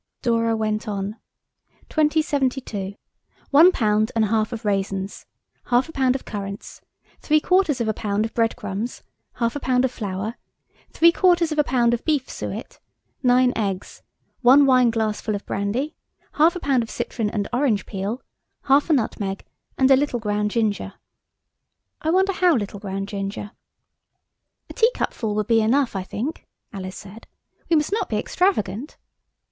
Dora went on– "'2072. One pound and a half of raisins; half a pound of currants; three quarters of a pound of breadcrumbs; half a pound of flour; three quarters of a pound of beef suet; nine eggs; one wine glassful of brandy; half a pound of citron and orange peel; half a nutmeg; and a little ground ginger.' I wonder how little ground ginger." "A teacupful would be enough, I think," Alice said; "we must not be extravagant."